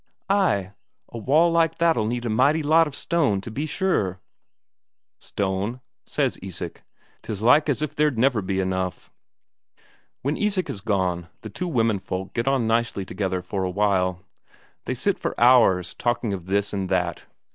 "Ay, a wall like that'll need a mighty lot of stone, to be sure." "Stone?" says Isak. "Tis like as if there'd never be enough." When Isak is gone, the two womenfolk get on nicely together for a while; they sit for hours talking of this and that.